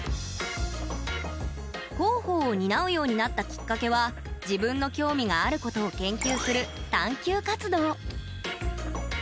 広報を担うようになったきっかけは自分の興味があることを研究する探究活動。